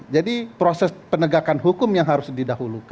jadi proses penegakan hukum yang harus didahulukan